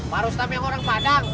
pak rustam yang orang padang